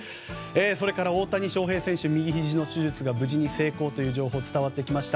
それから、大谷翔平選手右ひじの手術が無事に成功というニュースが伝わってきました。